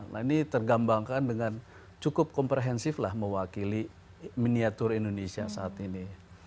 nah ini tergambangkan dengan cukup komprehensif lah mewakili miniatur indonesia saat ini